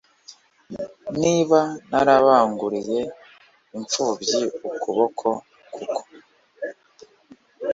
niba narabanguriye impfubyi ukuboko kuko